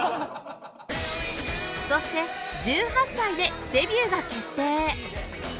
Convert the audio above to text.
そして１８歳でデビューが決定